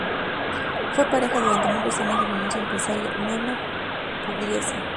Fue pareja durante muchos años del famoso empresario Nono Pugliese.